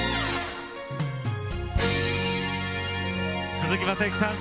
鈴木雅之さん